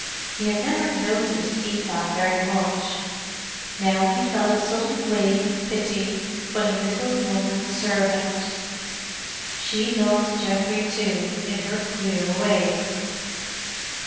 He had never noticed Eva very much; now he felt a sudden wave of pity for the little London servant. She loved Geoffrey too in her queer way.